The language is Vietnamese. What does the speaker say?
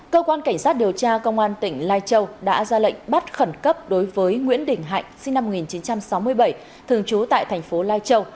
cơ quan cảnh sát điều tra công an tỉnh lai châu đã ra lệnh bắt khẩn cấp đối với nguyễn đình hạnh sinh năm một nghìn chín trăm sáu mươi bảy thường trú tại thành phố lai châu